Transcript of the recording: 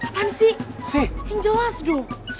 apaan sih yang jelas dwi